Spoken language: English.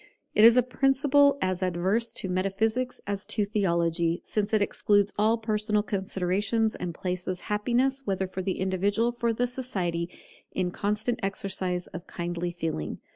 It is a principle as adverse to metaphysics as to theology, since it excludes all personal considerations, and places happiness, whether for the individual or for society, in constant exercise of kindly feeling.